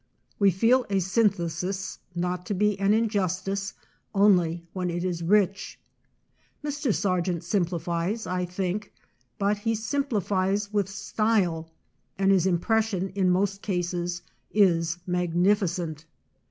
We feel a synthesis not to be an injustice only when it is rich. Mr. Sargent simplifies, I think, but he simplifies with style, and his impression in most cases is magnificent.